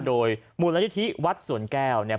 โดยมูลนิธิวัดสวนแก้วเนี่ย